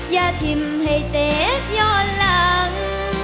อย่าทิ้มให้เจ๊ย้อนหลัง